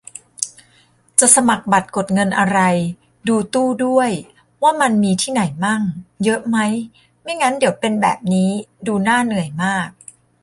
จะสมัครบัตรกดเงินอะไร ดูตู้ด้วย ว่ามันมีที่ไหนมั่ง เยอะไหม ไม่งั้นเดี๋ยวเป็นแบบนี้ ดูน่าเหนื่อยมาก